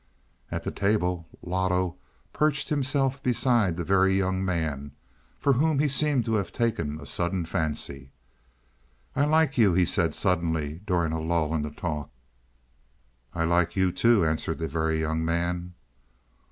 At the table Loto perched himself beside the Very Young Man, for whom he seemed to have taken a sudden fancy. "I like you," he said suddenly, during a lull in the talk. "I like you, too," answered the Very Young Man.